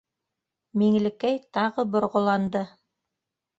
Миңлекәй тағы борғоланды: